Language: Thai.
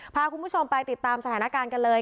พาคุณผู้ชมไปติดตามสถานการณ์กันเลย